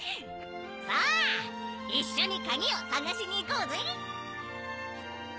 さぁいっしょにカギをさがしにいこうぜ！